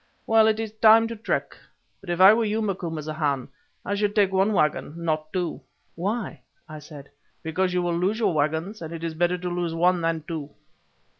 Well, it is time to trek, but if I were you, Macumazahn, I should take one waggon, not two." "Why?" I said. "Because you will lose your waggons, and it is better to lose one than two."